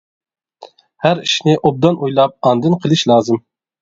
ھەر ئىشنى ئوبدان ئويلاپ، ئاندىن قىلىش لازىم.